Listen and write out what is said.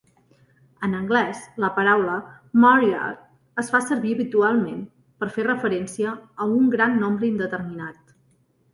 En anglès, la paraula "myriad" es va servir habitualment per fer referència a "un gran nombre indeterminat".